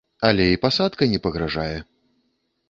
Але і пасадка не пагражае.